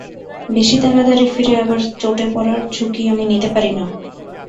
বেশি তাড়াতাড়ি ফিরে আবার চোটে পড়ার ঝুঁকি আমি নিতে পারি না।